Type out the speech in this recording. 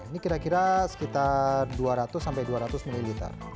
ini kira kira sekitar dua ratus sampai dua ratus ml